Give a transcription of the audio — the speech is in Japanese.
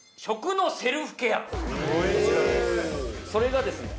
それがですね